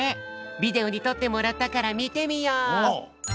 ビデオにとってもらったからみてみよう。